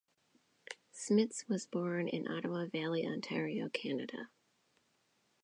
Smits was born in Ottawa Valley, Ontario, Canada.